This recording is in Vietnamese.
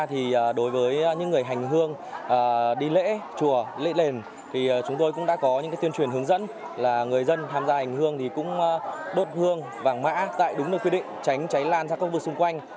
hướng dẫn là người dân tham gia ảnh hương thì cũng đốt hương vàng mã tại đúng được quy định tránh cháy lan ra các vực xung quanh